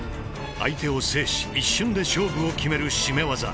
相手を制し一瞬で勝負を決める絞め技。